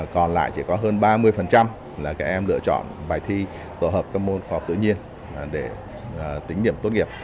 còn lại chỉ có hơn ba mươi là các em lựa chọn bài thi tổ hợp các môn khoa học tự nhiên để tính điểm tốt nghiệp